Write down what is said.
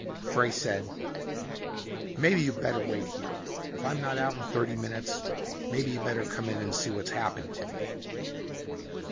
Frey said, "Maybe you better wait here. If I'm not out in thirty minutes maybe you better come in and see what's happened to me."